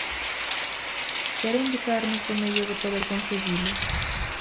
Quere indicarnos o medio de poder conseguilo?